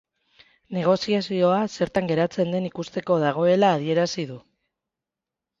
Negoziazioa zertan geratzen den ikusteko dagoela adierazi du.